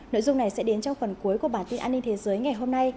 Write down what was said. nội dung này sẽ đến trong phần cuối của bản tin an ninh thế giới ngày hôm nay